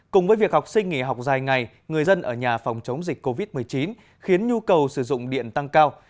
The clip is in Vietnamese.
cùng với việc học sinh nghỉ học dài ngày người dân ở nhà phòng chống dịch covid một mươi chín khiến nhu cầu sử dụng điện tăng cao